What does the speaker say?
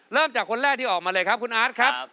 เริ่มจากคนแรกที่ออกมาเลยครับคุณอาร์ตครับ